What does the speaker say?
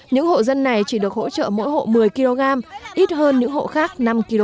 những hộ dân này chỉ được hỗ trợ mỗi hộ một mươi kg ít hơn những hộ khác năm kg